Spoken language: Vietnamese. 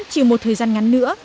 chiều một thời gian ngắn nữa